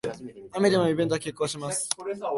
雨でもイベントは決行します